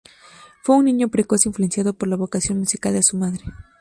Fue un niño precoz influenciado por la vocación musical de su madre.